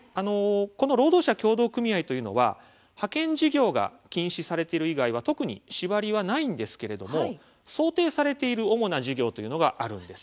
この労働者協同組合というのは派遣事業が禁止されている以外は特に縛りはないんですが想定されている主な事業というのがあるんです。